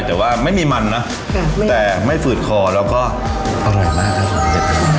แต่ว่าไม่มีมันนะแต่ไม่ฝืดคอแล้วก็อร่อยมากครับผม